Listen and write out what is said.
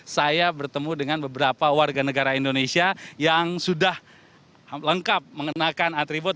saya bertemu dengan beberapa warga negara indonesia yang sudah lengkap mengenakan atribut